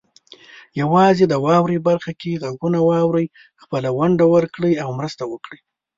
یوازې د "واورئ" برخه کې غږونه واورئ، خپله ونډه ورکړئ او مرسته وکړئ.